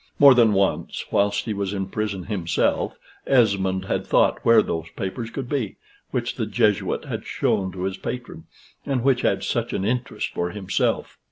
More than once, whilst he was in prison himself, Esmond had thought where those papers could be, which the Jesuit had shown to his patron, and which had such an interest for himself.